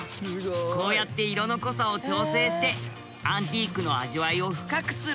こうやって色の濃さを調整してアンティークの味わいを深くするんだね。